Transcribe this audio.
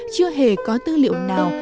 chưa hề có tư liệu nào